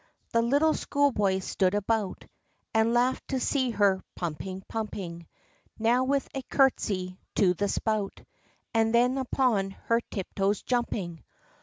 The little school boys stood about, And laugh'd to see her pumping, pumping; Now with a curtsey to the spout, And then upon her tiptoes jumping.